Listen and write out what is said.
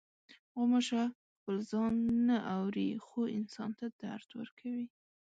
غوماشه خپل ځان نه اوري، خو انسان ته درد ورکوي.